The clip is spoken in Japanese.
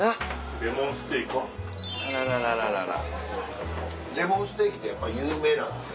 レモンステーキってやっぱり有名なんですか？